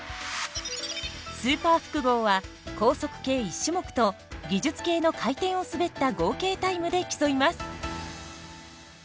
スーパー複合は、高速系１種目と技術系の回転を滑った合計タイムで競います。